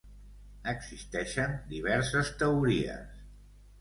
Existeixen diverses teories.